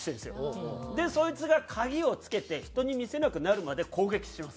でそいつが鍵をつけて人に見せなくなるまで攻撃します。